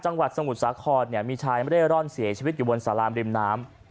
สมุทรสาครมีชายไม่ได้ร่อนเสียชีวิตอยู่บนสารามริมน้ำ